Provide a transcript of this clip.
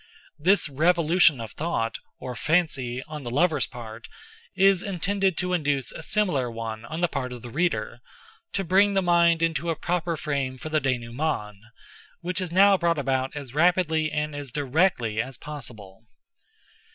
This revolution of thought, or fancy, on the lover's part, is intended to induce a similar one on the part of the reader—to bring the mind into a proper frame for the dénouement—which is now brought about as rapidly and as directly as possible.